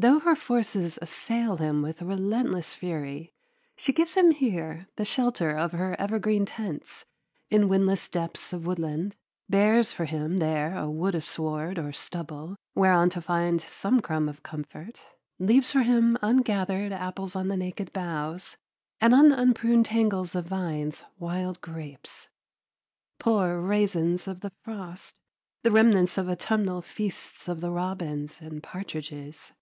Though her forces assail him with relentless fury, she gives him here the shelter of her evergreen tents, in windless depths of woodland; bares for him there a rood of sward or stubble whereon to find some crumb of comfort; leaves for him ungathered apples on the naked boughs, and on the unpruned tangles of vines wild grapes, poor raisins of the frost, the remnants of autumnal feasts of the robins and partridges.